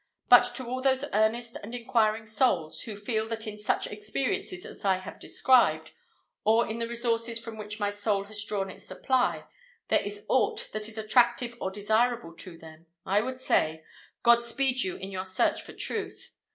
But to all those earnest and inquiring souls, who feel that in such experiences as I have described, or in the resources from which my soul has drawn its supply, there is aught that is attractive or desirable to them, I would say, "God speed you in your search for Truth!"